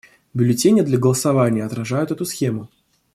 Бюллетени для голосования отражают эту схему.